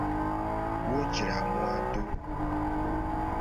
Wo jra moa do.